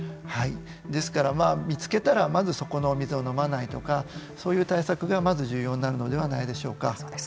ですから、見つけたらまずそこの水を飲まないとかそういう対策がまず重要になるのではないでしょうか。